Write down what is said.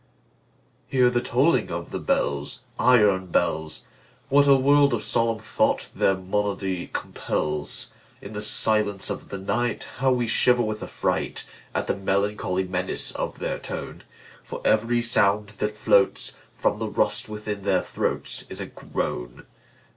Hear the tolling of the bells, Iron bells! What a world of solemn thought their monody compels! In the silence of the nightHow we shiver with affrightAt the melancholy menace of their tone! For every sound that floatsFrom the rust within their throatsIs a groan.